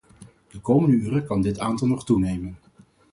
De komende uren kan kan dit aantal nog toenemen.